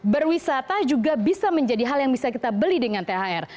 berwisata juga bisa menjadi hal yang bisa kita beli dengan thr